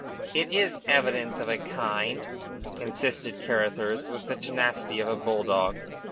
"Yet it is evidence of a kind," insisted Carruthers, with the tenacity of a bull dog.